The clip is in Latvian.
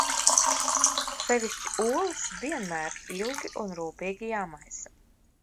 Sevišķi olas vienmēr ilgi un rūpīgi jāmaisa.